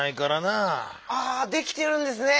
ああできてるんですね！